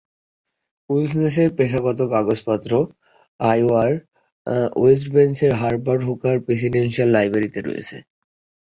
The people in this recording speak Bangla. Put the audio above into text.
উইলসনের পেশাগত কাগজপত্র আইওয়ার ওয়েস্ট ব্রাঞ্চের হার্বার্ট হুভার প্রেসিডেন্সিয়াল লাইব্রেরিতে রয়েছে।